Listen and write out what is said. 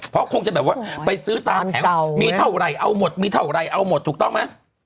เพราะมจะเห็นว่าไปซื้อตามแผงมีเท่าไหร่เอาหมดถูกต้องมั้ย